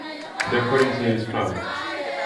Де корінь цієї справи?